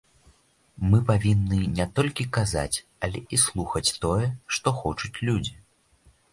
Мы павінны не толькі казаць, але і слухаць тое, што хочуць людзі.